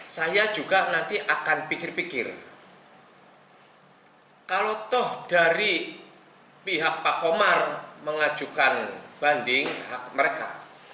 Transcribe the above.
saya juga nanti akan pikir pikir kalau toh dari pihak pak komar mengajukan banding hak mereka